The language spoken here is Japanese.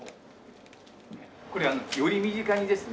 これより身近にですね